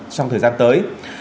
trong thời gian tới